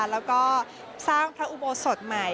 แล้วก็สร้างพระอุโบสถใหม่